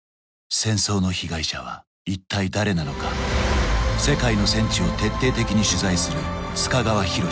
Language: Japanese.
戦争の被害者は一体誰なのか世界の戦地を徹底的に取材する須賀川拓